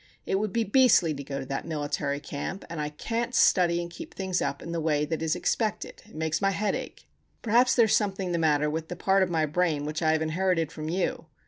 It would be beastly to go to that miletary camp and I cant studdy and keep things up in the way that is expected it makes my headache. Perhaps there is something the matter with that part of my bran wich I have inherited from you.